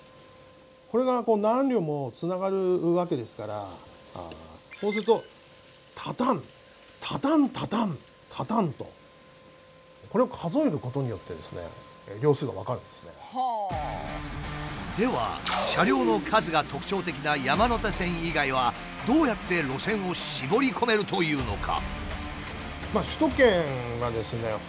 これが何両もつながるわけですからそうするとでは車両の数が特徴的な山手線以外はどうやって路線を絞り込めるというのか？